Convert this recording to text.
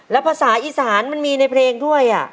แล้วภาษาอีสานมันมีในเพลงด้วย